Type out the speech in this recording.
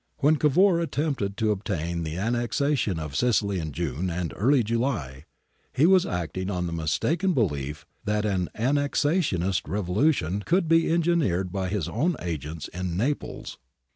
When Cavour attempted to obtain the annexation of Sicily in June and early July, he was acting on the mistaken belief that an annexationist revo lution could be engineered by his own agents in Naples.